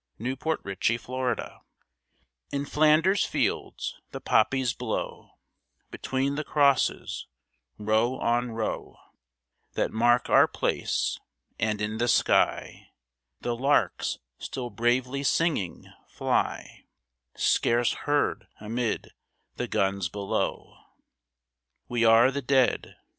L.} IN FLANDERS FIELDS In Flanders fields the poppies grow Between the crosses, row on row That mark our place: and in the sky The larks still bravely singing, fly Scarce heard amid the guns below. We are the Dead.